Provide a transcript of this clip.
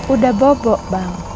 udah bobok bang